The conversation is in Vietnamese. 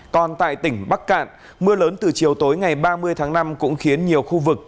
còn tại tỉnh bắc cạn mưa lớn từ chiều tối ngày ba mươi tháng năm cũng khiến nhiều khu vực